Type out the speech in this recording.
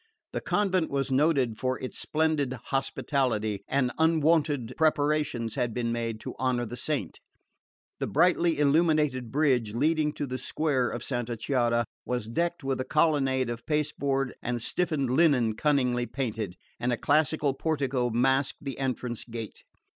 The convent was noted for its splendid hospitality, and unwonted preparations had been made to honour the saint. The brightly illuminated bridge leading to the square of Santa Chiara was decked with a colonnade of pasteboard and stiffened linen cunningly painted, and a classical portico masked the entrance gate.